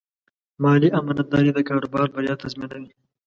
مالي امانتداري د کاروبار بریا تضمینوي.